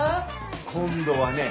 今度はね